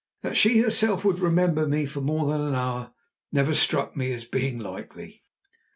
That she herself would remember me for more than an hour never struck me as being likely.